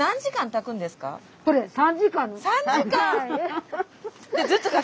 ３時間！？